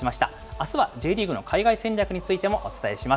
あすはＪリーグの海外戦略についてもお伝えします。